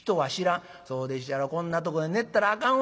「そうでっしゃろこんなとこで寝てたらあかんわ。ね？